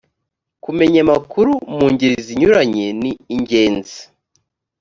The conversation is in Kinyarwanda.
kumenya amakuru mu ngeri zinyuranye ni ingenzi